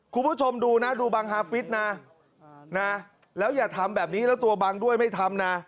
คุณผู้ชมดูนะดูบังฮาฟิศนะนะแล้วอย่าทำแบบนี้แล้วตัวบังด้วยไม่ทำนะ